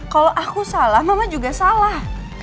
kalau aku salah mama juga salah